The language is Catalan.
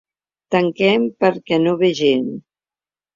Tanquem perquè no ve gent.